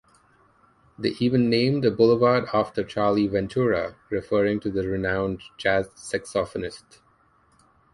They even named a boulevard after Charlie Ventura, referring to the renowned jazz saxophonist.